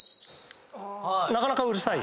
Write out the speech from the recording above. なかなかうるさい。